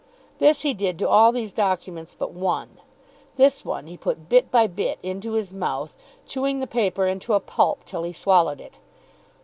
This he did to all these documents but one. This one he put bit by bit into his mouth, chewing the paper into a pulp till he swallowed it.